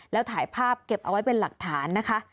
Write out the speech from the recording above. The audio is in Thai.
แล้วถ่ายภาพเก็บเอาไว้เป็นหลักฐานนะคะ